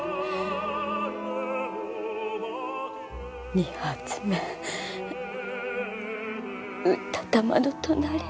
２発目撃った弾の隣。